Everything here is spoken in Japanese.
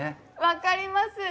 分かります！